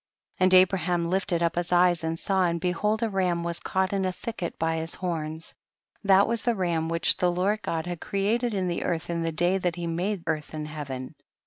70. And Abraham Hfted up his eyes and saw, and behold, a ram was caught in a thicket by his horns ; that was the ram which the Lord God had created in the earth in the day that he made earth and heaven.